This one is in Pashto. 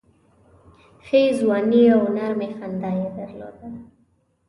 ښې ځواني او نرمي خندا یې درلوده.